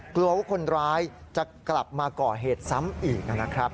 กลัวว่าคนร้ายจะกลับมาก่อเหตุซ้ำอีกนะครับ